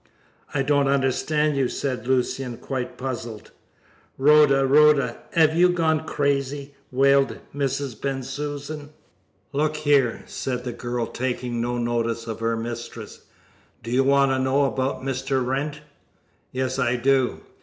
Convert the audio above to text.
"I don't understand you," said Lucian, quite puzzled. "Rhoda! Rhoda! 'Ave you gone crazy?" wailed Mrs. Bensusan. "Look here," said the girl, taking no notice of her mistress, "do you want to know about Mr. Wrent?" "Yes, I do."